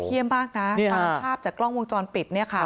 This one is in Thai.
เยี่ยมบ้างนะตามภาพจากกล้องวงจรปิด